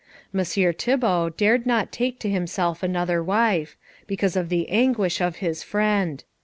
Messire Thibault dared not take to himself another wife, because of the anguish of his friend.